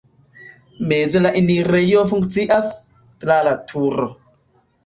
Meze la enirejo funkcias (tra la turo).